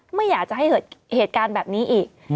ไม่อยากจะให้เกิดเหตุการณ์แบบนี้อีก